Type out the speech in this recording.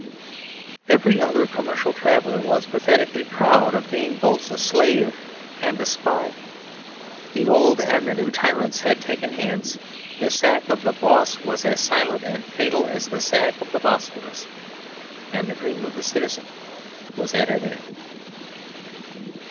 Every other commercial traveller was pathetically proud of being both a slave and a spy. The old and the new tyrants had taken hands. The "sack" of the boss was as silent and fatal as the sack of the Bosphorus. And the dream of the citizen was at an end.